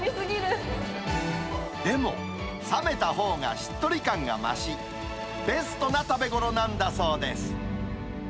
でも、冷めたほうがしっとり感が増し、ベストな食べごろなんだそうです。